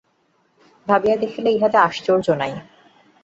ভাবিয়া দেখিলে, ইহাতে আশ্চর্য নাই।